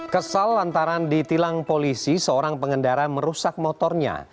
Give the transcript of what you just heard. kesal lantaran di tilang polisi seorang pengendara merusak motornya